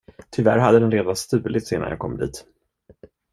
Tyvärr hade den redan stulits innan jag kom dit.